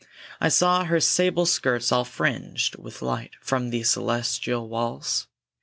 I saw her sable skirts all fringed with light From the celestial walls!